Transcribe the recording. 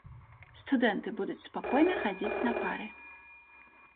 Студэнты будуць спакойна хадзіць на пары.